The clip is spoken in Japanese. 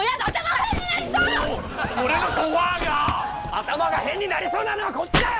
頭が変になりそうなのはこっちだよ！